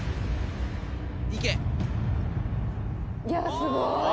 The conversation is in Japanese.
「すごい。